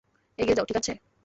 এগিয়ে যাও, ঠিক আছে।